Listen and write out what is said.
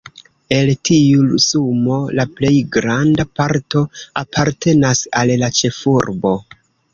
El tiu sumo la plej granda parto apartenas al la ĉefurbo.